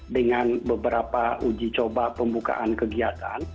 dengan beberapa uji coba pembukaan kegiatan